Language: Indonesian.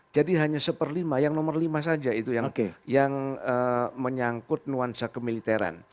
jadi hanya seperlima yang nomor lima saja itu yang menyangkut nuansa kemiliteran